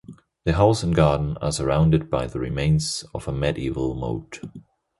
The house and garden are surrounded by the remains of a Medieval moat.